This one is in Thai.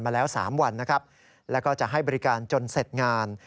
มาแล้ว๓วันนะครับแล้วก็จะให้บริการจนเสร็จงาน